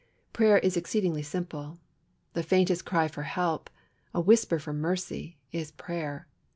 Prayer is exceedingly simple. The faintest cry for help, a whisper for mercy, is prayer.